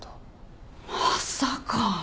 まさか。